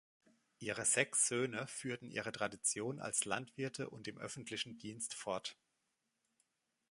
Ihre sechs Söhne führten ihre Tradition als Landwirte und im öffentlichen Dienst fort.